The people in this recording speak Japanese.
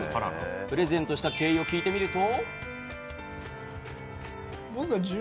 プレゼントした経緯を聞いてみると。